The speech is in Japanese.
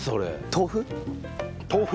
豆腐？